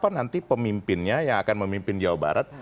nanti pemimpinnya yang akan memimpin jawa barat